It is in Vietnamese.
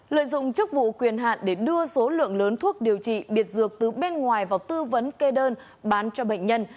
lợi dụng chức vụ quyền hạn để đưa số lượng lớn thuốc điều trị biệt dược từ bên ngoài vào tư vấn kê đơn bán cho bệnh nhân